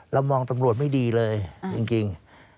เรามองตำรวจไม่ดีเลยจริง